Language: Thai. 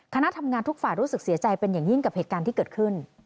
คณะทำงานทุกฝ่ายรู้สึกเสียใจเป็นอย่างยิ่งกับเหตุการณ์ที่เกิดขึ้น